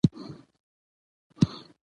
ځکه يوه مقوله ده چې وايي.